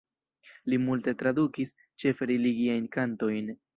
Li multe tradukis, ĉefe religiajn kantojn.